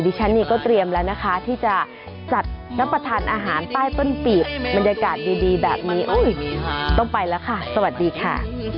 ฉันเนี่ยก็เตรียมแล้วนะคะที่จะจัดรับประทานอาหารใต้ต้นปีกบรรยากาศดีแบบนี้ต้องไปแล้วค่ะสวัสดีค่ะ